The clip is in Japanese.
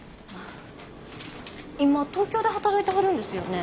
今東京で働いてはるんですよね。